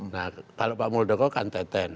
nah kalau pak muldoko kan t sepuluh